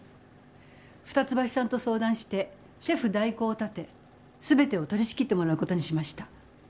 二ツ橋さんと相談してシェフ代行を立て全てを取りしきってもらうことにしました。